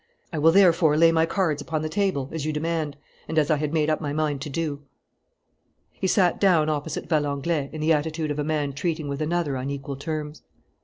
I will therefore lay my cards upon the table, as you demand, and as I had made up my mind to do." He sat down opposite Valenglay, in the attitude of a man treating with another on equal terms.